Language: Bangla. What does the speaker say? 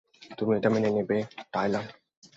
তুমি এটা মেনে নেবে, টায়লার?